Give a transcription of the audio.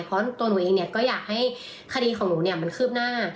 เพราะตัวหนูเองเนี่ยก็อยากให้คดีของหนูเนี่ยมันคืบหน้า